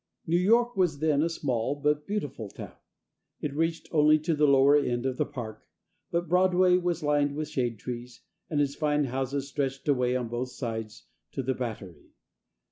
New York was then a small but beautiful town; it reached only to the lower end of the Park, but Broadway was lined with shade trees, and its fine houses stretched away on both sides to the Battery.